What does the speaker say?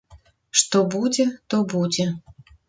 Што будзе, то будзе.